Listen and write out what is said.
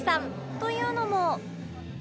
というのも